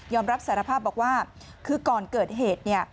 รับสารภาพบอกว่าคือก่อนเกิดเหตุเนี่ย